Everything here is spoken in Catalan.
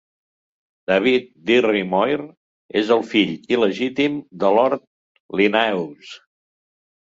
David Dirry-Moir és el fill il·legítim de Lord Linnaeus.